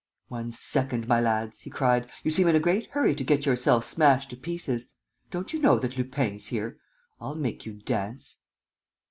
"One second, my lads!" he cried. "You seem in a great hurry to get yourselves smashed to pieces! ... Don't you know that Lupin's here? I'll make you dance!"